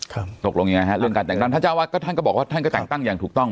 ตกลงยังไงฮะเรื่องการแต่งตั้งท่านเจ้าวาดก็ท่านก็บอกว่าท่านก็แต่งตั้งอย่างถูกต้อง